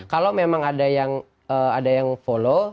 kalau memang ada yang follow